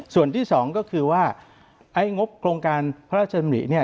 ส่วนที่สองก็คือว่าไอ้งบโครงการพระราชดำริเนี่ย